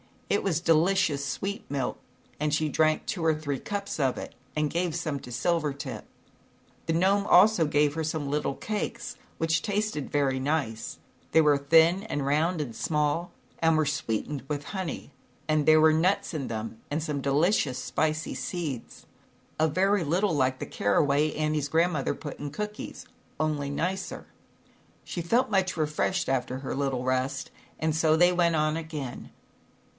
It was delicious sweet milk and she drank two or three cups of it and gave some to Silvertip. dtfmiffl'^i The Gnome also gave her some little cakes, which tasted very nice; they were thin, and round, and small, and were sweetened with honey, and there were nuts in them, and some A % V sX. ,.::?.;\ 126 ZAUBERLINDA, THE WISE WITCH. delicious spicy seeds, a very little like the carraway Annie's grandmother put in cookies, only nicer. She felt much refreshed after her little rest, and so they went on again, but